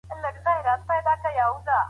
فساد د ټولني امن خرابوي.